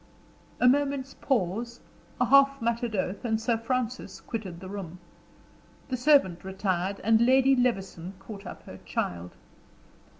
A moment's pause, a half muttered oath, and the Sir Francis quitted the room. The servant retired, and Lady Levison caught up her child.